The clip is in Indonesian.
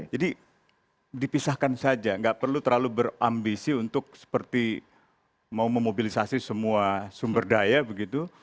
jadi dipisahkan saja gak perlu terlalu berambisi untuk seperti mau memobilisasi semua sumber daya begitu